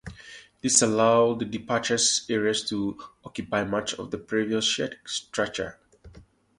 This allowed the departures area to occupy much of the previous shared structure.